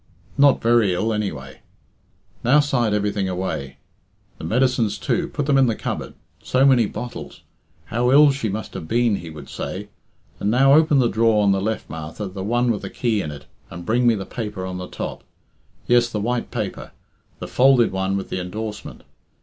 Not very ill, anyway? Now side everything away. The medicines too put them in the cupboard. So many bottles. 'How ill she must have been!' he would say. And now open the drawer on the left, Martha, the one with the key in it, and bring me the paper on the top. Yes, the white paper. The folded one with the endorsement.